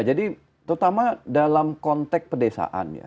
jadi terutama dalam konteks pedesaan